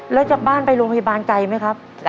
แล้วจากบ้านไปโรงพยาบาลไกลไหมครับ